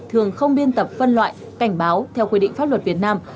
thường không biên tập phân loại cảnh báo theo quy định pháp luật việt nam